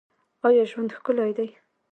آیا ژوند ښکلی دی؟